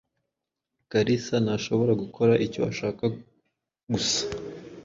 Kalisa ntashobora gukora icyo ashaka gusa.